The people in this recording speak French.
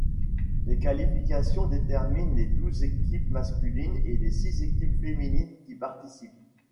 Les qualifications déterminent les douze équipes masculines et les six équipes féminines qui participent.